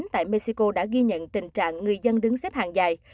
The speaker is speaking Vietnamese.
tại mexico đã ghi nhận tình trạng người dân đứng xếp hàng dài